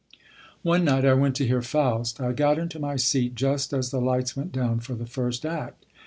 One night I went to hear Faust. I got into my seat just as the lights went down for the first act.